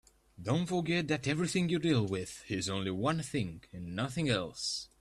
Don't forget that everything you deal with is only one thing and nothing else.